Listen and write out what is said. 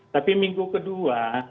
tapi minggu kedua